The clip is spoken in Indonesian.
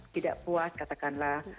tidak puas katakanlah